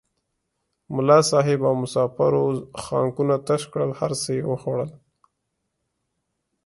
ملا صاحب او مسافرو خانکونه تش کړل هر څه یې وخوړل.